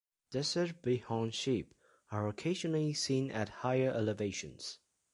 Desert bighorn sheep are occasionally seen at higher elevations.